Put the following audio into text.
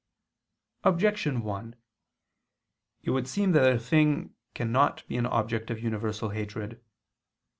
Objection 1: It would seem that a thing cannot be an object of universal hatred.